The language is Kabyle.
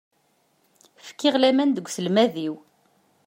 Fkiɣ laman deg uselmad-iw.